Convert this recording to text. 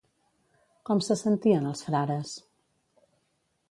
Com se sentien els frares?